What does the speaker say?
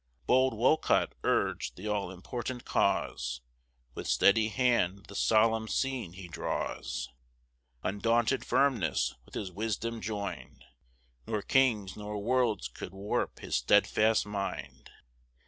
Bold Wolcott urg'd the all important cause; With steady hand the solemn scene he draws; Undaunted firmness with his wisdom join'd, Nor kings nor worlds could warp his stedfast mind.